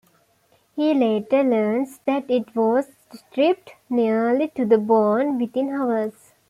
He later learns that it was stripped, nearly to the bone, within hours.